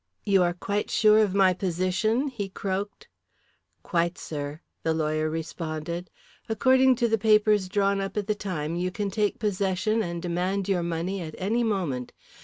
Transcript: "You are quite sure of my position?" he croaked. "Quite, sir," the lawyer responded. "According to the papers drawn up at the time, you can take possession and demand your money at any moment.